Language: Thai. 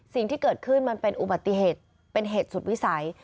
สิ่งที่เกิดขึ้นมันเป็นอุบัติเหตุเป็นเหตุสุดวิสัย